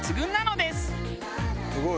すごい。